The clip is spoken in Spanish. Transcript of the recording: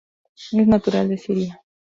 Es natural de Siria.